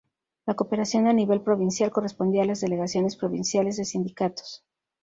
La cooperación a nivel provincial correspondía a las delegaciones provinciales de Sindicatos.